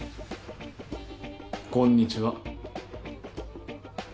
こんにちは。